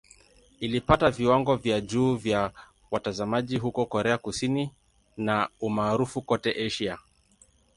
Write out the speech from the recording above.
Ilipata viwango vya juu vya watazamaji huko Korea Kusini na umaarufu kote Asia.